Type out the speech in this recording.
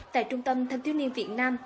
tại trung tâm thành tiêu niên việt nam